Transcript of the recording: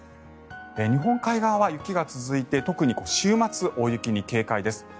日本海側は雪が続いて特に週末、大雪に警戒です。